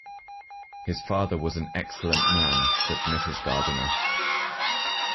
“His father was an excellent man,” said Mrs. Gardiner.